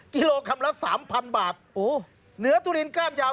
กิโลกรัมละสามพันบาทโอ้เหนือทุเรียนก้ามยาว